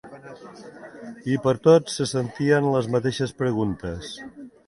I pertot se sentien les mateixes preguntes